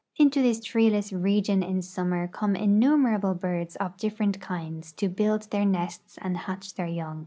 Into this treeless region in summer come innumer able birds of different kinds to build their nests and hatch their young.